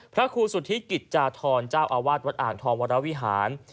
พระครูสุธิกิจจาธรเจ้าอาวาสวัดอ่างทองวรวิหาร